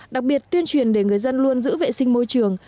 đặc biệt tuyên truyền để người dân luôn giữ vệ sinh môi trường